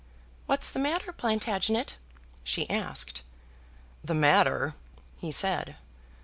"What's the matter, Plantagenet?" she asked. "The matter!" he said.